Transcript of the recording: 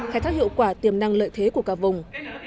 khai thác hiệu quả tiềm năng lợi thế của cả vùng